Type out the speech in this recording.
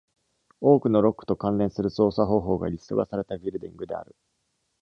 多くのロックと関連する操作方法がリスト化されたビルディングである。